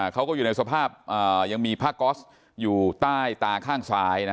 เขาก็อยู่ในสภาพยังมีผ้าก๊อสอยู่ใต้ตาข้างซ้าย